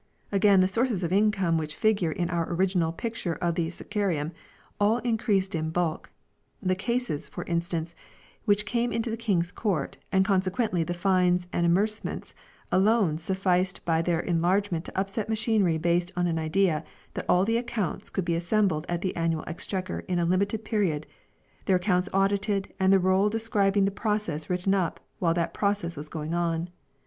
Again the sources of income which figure in our original pic ture of the " Scaccarium " all increased in bulk ; the cases, for instance, which came into the King's Court, and consequently the fines and amercements, alone sufficed by their enlargement to upset machinery based upon an idea that all the accountants could be assembled at the Annual Exchequer in a limited period, their accounts audited and the roll describing the process written up while that process was going on.